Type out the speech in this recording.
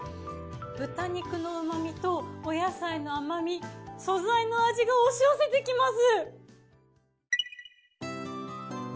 豚肉の旨味とお野菜の甘み素材の味が押し寄せてきます。